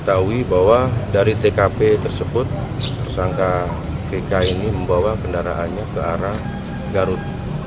akb tersebut tersangka gk ini membawa kendaraannya ke arah garut